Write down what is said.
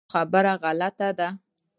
دا خبره غلطه ده .